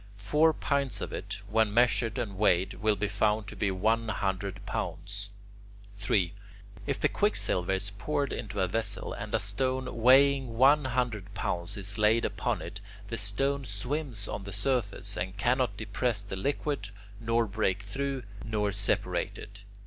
Four pints of it, when measured and weighed, will be found to be one hundred pounds. 3. If the quicksilver is poured into a vessel, and a stone weighing one hundred pounds is laid upon it, the stone swims on the surface, and cannot depress the liquid, nor break through, nor separate it.